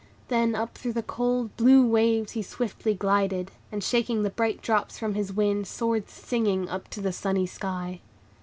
Then up through the cold, blue waves he swiftly glided, and, shaking the bright drops from his wings, soared singing up to the sunny sky.